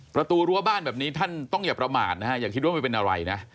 ประตูรั้วบ้านแบบนี้ท่านต้องอย่าประมาทนะฮะอย่าคิดว่ามันเป็นอะไรนะ